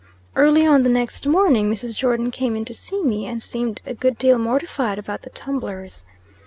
Early on the next morning Mrs. Jordon came in to see me, and seemed a good deal mortified about the tumblers.